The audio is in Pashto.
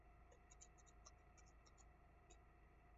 د اسلامي عدل پر بنسټ خلافت چارې تنظیم کړې.